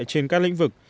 trên các lĩnh vực